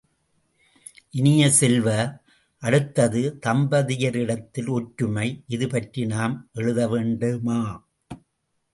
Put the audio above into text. இனிய செல்வ, அடுத்தது தம்பதியரிடத்தில் ஒற்றுமை இதுபற்றி நாம் எழுத வேண்டுமா?